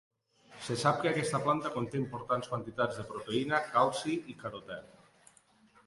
Se sap que aquesta planta conté importants quantitats de proteïna, calci i carotè.